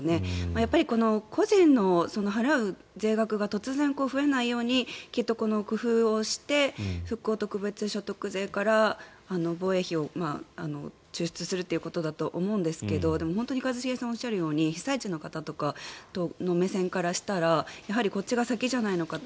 やっぱり個人の払う税額が突然増えないようにきっと工夫をして復興特別所得税から防衛費を抽出するということだと思うんですけどでも、本当に一茂さんがおっしゃるように被災地の方とかの目線からしたらやはりこっちが先じゃないのかって。